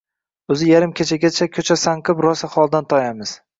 O‘zi yarim kechagacha «ko‘cha sanqib» rosa holdan toyamiz.